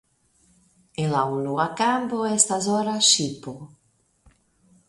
En la unua kampo estas ora ŝipo.